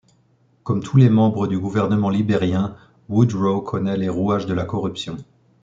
Comme tous les membres du gouvernement libérien, Woodrow connait les rouages de la corruption.